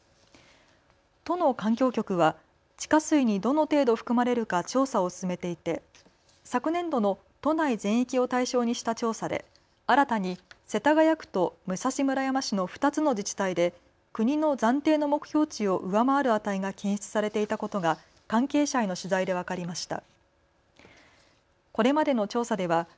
都の環境局は地下水にどの程度含まれるか調査を進めていて昨年度の都内全域を対象にした調査で新たに世田谷区と武蔵村山市の２つの自治体で国の暫定の目標値を上回る値が検出されていたことが関係者への取材で分かりました。